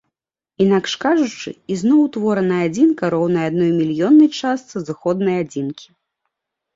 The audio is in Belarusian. Інакш кажучы, ізноў утвораная адзінка роўная адной мільённай частцы зыходнай адзінкі.